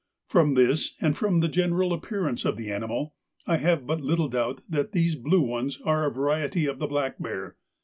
From this and from the general appearance of the animal, I have but little doubt that these blue ones are a variety of the black bear.